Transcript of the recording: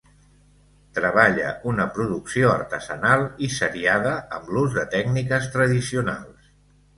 Treballa una producció artesanal i seriada amb l'ús de tècniques tradicionals.